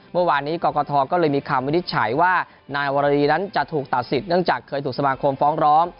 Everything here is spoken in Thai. เมื่อวานนี้กรกฐก็เลยมีคำวินิจฉัยว่านายวรรีนั้นจะถูกตัดสิทธิเนื่องจากเคยถูกสมาคมฟ้องร้อง